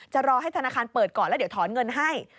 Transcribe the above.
รอให้ธนาคารเปิดก่อนแล้วเดี๋ยวถอนเงินให้